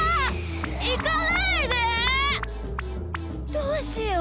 どうしよう。